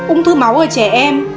ung thư máu ở trẻ em